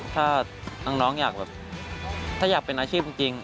ถ้าน้องอยากเป็นอาชีพจริง